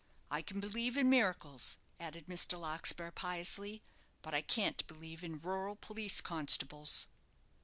I can believe in miracles," added Mr. Larkspur, piously; "but I can't believe in rural police constables."